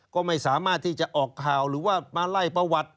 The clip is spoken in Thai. ก็ไม่สามารถที่จะออกข่าวหรือว่ามาไล่ประวัติ